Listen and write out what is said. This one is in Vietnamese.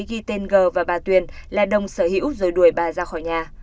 ghi tên g và bà tuyền là đồng sở hữu rồi đuổi bà ra khỏi nhà